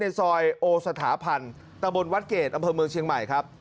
ซอยโอสถาพันธ์ตะบนวัดเกรดอำเภอเมืองเชียงใหม่ครับ